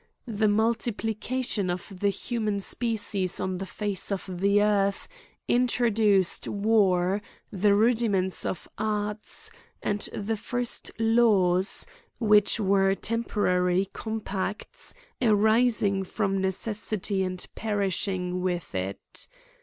The multiplication of the hu man species on the face of the earth introduced war, the rudiments of arts, and the first laws, which were temporary compacts, arising from necessity, and perishing with it.